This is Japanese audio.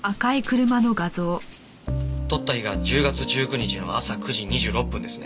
撮った日が１０月１９日の朝９時２６分ですね。